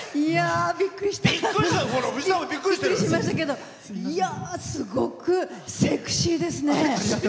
びっくりしましたけどすごくセクシーですね。